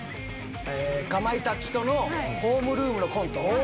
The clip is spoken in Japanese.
かまいたちとの「ホームルーム」のコント。